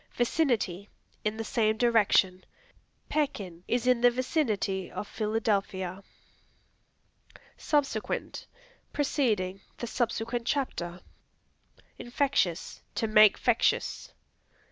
Vicinity In the same direction; "Pekin is in the vicinity of Philadelphia." Subsequent Preceding; "The subsequent chapter." Infectious To make fectious.